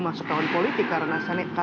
masuk tahun politik karena